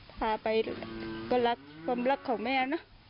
พาไปก็รักความรักของแม่นะ